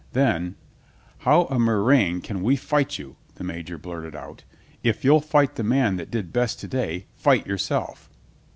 Then, "How a murrain can we fight you?" the Major blurted out. "If you'll fight the man that did best to day, fight yourself.